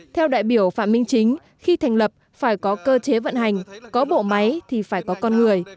theo đại biểu phạm minh chính khi thành lập phải có cơ chế vận hành có bộ máy thì phải có con người